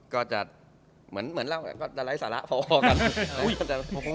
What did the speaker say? ก็จะเหมือนเล่าแต่ก็จะหลายสาระพอก่อน